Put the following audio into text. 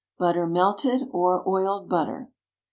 BUTTER, MELTED, OR OILED BUTTER.